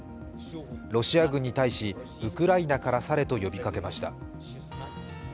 ロシア軍に対し、ウクライナから去れと呼びかけました。